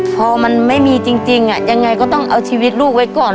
พอมันไม่มีจริงยังไงก็ต้องเอาชีวิตลูกไว้ก่อน